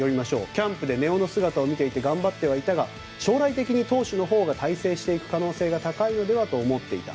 キャンプで根尾の姿を見て頑張ってはいたが将来的に投手のほうが大成していく可能性が高いのではないかと思っていた。